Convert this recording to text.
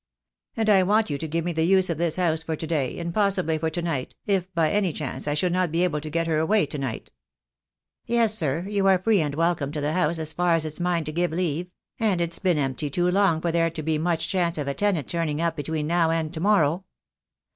"And I want you to give me the use of this house for to day — and possibly for to night, if by any chance I should not be able to get her away to night." "Yes, sir, you are free and welcome to the house as far as it's mine to give leave — and it's been empty too long for there to be much chance of a tenant turning up between now and to morrow."